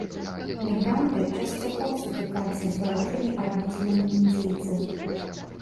Мігранты часцяком сутыкаліся з варожымі адносінамі індзейцаў.